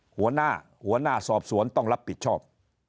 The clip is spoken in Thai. หัวหน้าหัวหน้าสอบสวนต้องรับผิดชอบ